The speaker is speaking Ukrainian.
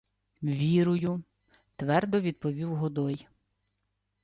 — Вірую, — твердо відповів Годой.